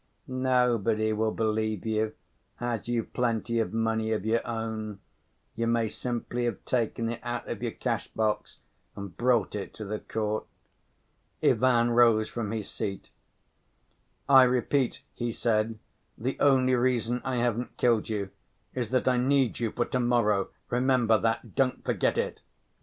"Nobody will believe you, as you've plenty of money of your own; you may simply have taken it out of your cash‐box and brought it to the court." Ivan rose from his seat. "I repeat," he said, "the only reason I haven't killed you is that I need you for to‐morrow, remember that, don't forget it!"